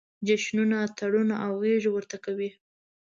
جشنونه، اتڼونه او غېږې ورته کوي.